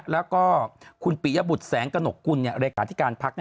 แล้วก็คุณปิยบุตรแสงกระหนกกุลเลขาธิการพัก